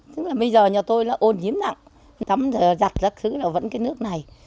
tức là bây giờ nhà tôi là ô nhiễm nặng thấm giặt giặt thứ là vẫn cái nước này